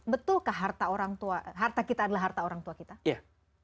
betulkah harta kita adalah harta orang tua kita